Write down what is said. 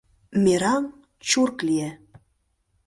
Мераҥ чурк лие.